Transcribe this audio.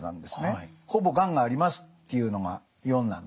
ほぼがんがありますっていうのが４なんです。